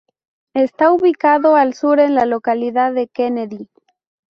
Está ubicado al sur, en la localidad de Kennedy.